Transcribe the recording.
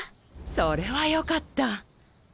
それはよかった。